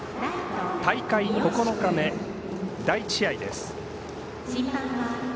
大会９日目、第１試合です。